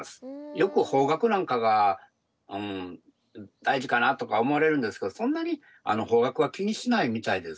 よく方角なんかが大事かなとか思われるんですけどそんなに方角は気にしないみたいです。